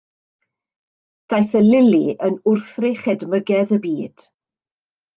Daeth y lili yn wrthrych edmygedd y byd.